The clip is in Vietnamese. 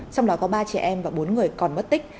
trong đó có ba trẻ em và bốn người còn mất tích